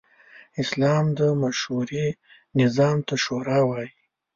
اسلام د مشورې نظام ته “شورا” وايي.